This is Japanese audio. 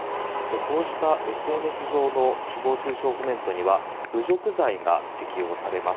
こうしたＳＮＳ上の誹謗・中傷コメントには侮辱罪が適用されます。